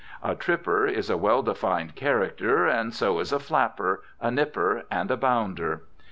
A "tripper" is a well defined character, and so is a "flapper," a "nipper," and a "bounder."